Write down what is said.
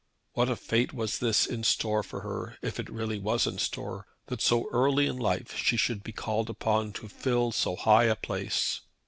What a fate was this in store for her if it really was in store that so early in her life she should be called upon to fill so high a place.